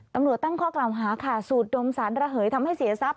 ตำรวจตั้งข้อกล่าวหาค่ะสูดดมสารระเหยทำให้เสียทรัพย